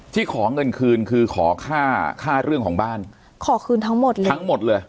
ขอเงินคืนคือขอค่าค่าเรื่องของบ้านขอคืนทั้งหมดเลยทั้งหมดเลย